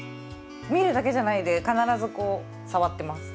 見るだけじゃないで必ずこう触ってます